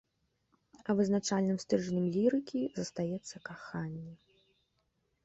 А вызначальным стрыжнем лірыкі застаецца каханне.